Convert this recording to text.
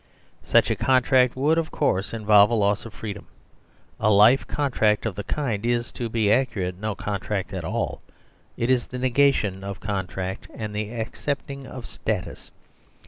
Such a contract would, of course, involve a loss of freedom: a life contract of the kind is, to be accurate, no contract at all. It is the negation of contract and the acceptation of status.